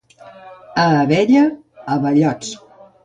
A Abella, abellots.